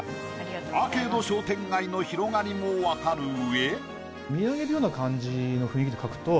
アーケード商店街の広がりも分かる上。